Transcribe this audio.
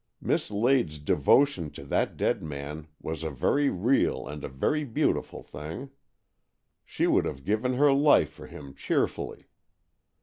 Miss Lade's devotion to that dead man was a very real and a very beautiful thing. She would have given her life for him cheerfully.